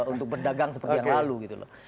untuk berdagang seperti yang lalu gitu loh